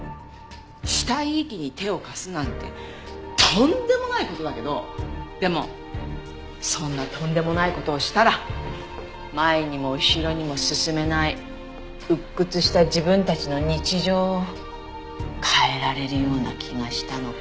死体遺棄に手を貸すなんてとんでもない事だけどでもそんなとんでもない事をしたら前にも後ろにも進めない鬱屈した自分たちの日常を変えられるような気がしたのかも。